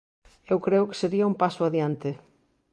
Eu creo que sería un paso adiante.